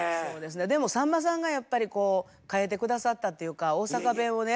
でもさんまさんがやっぱり変えて下さったっていうか大阪弁をね